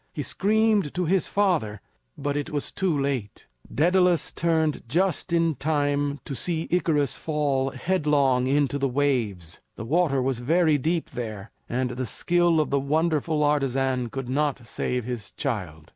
He screamed to his father, but it was too late. Daedalus turned just in time to see Icarus fall headlong into the waves. The water was very deep there, and the skill of the wonderful artisan could not save his child.